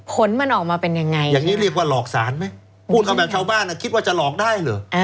ผลมันออกมาเป็นยังไงอย่างนี้เรียกว่าหลอกสารไหมพูดเอาแบบชาวบ้านคิดว่าจะหลอกได้เหรอ